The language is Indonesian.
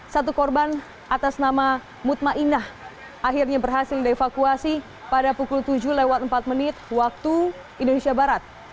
satu korban atas nama mutmainah akhirnya berhasil dievakuasi pada pukul tujuh lewat empat menit waktu indonesia barat